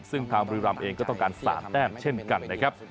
ซึ่งทางบุรีรำเองก็ต้องการ๓แต้มเช่นกันนะครับ